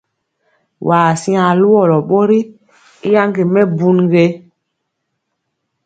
Waa siŋa luwɔlɔ ɓori i yaŋge mɛbun?